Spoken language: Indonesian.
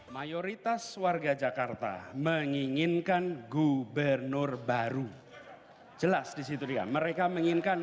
mayoritas warga jakarta menginginkan gubernur baru jelas disitu dia mereka menginginkan